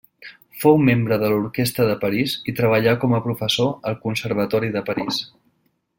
Fou membre de l'Orquestra de París i treballà com a professor al Conservatori de París.